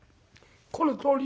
このとおり。